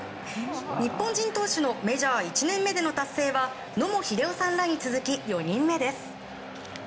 日本人投手のメジャー１年目での達成は野茂英雄さんらに続き４人目です。